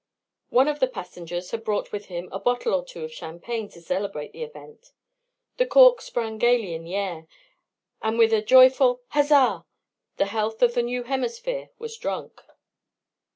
One of the passengers had brought with him a bottle or two of champagne to celebrate the event: the corks sprang gaily in the air, and with a joyful "huzza," the health of the new hemisphere was drunk.